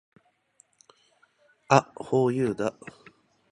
あっ！ユーフォーだ！